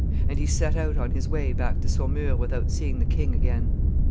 And he set out on his way back to Saumur without seeing the king again.